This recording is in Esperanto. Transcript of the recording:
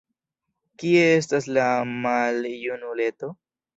Kie estas la maljunuleto?